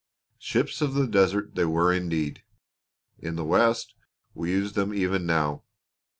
Ships of the Desert they were indeed! In the West we use them even now.